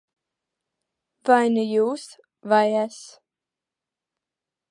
Vai nu jūs, vai es.